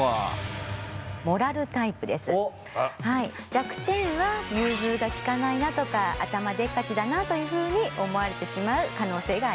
弱点は融通が利かないなとか頭でっかちだなというふうに思われてしまう可能性があります。